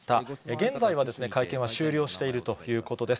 現在は会見は終了しているということです。